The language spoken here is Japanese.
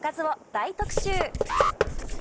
大特集！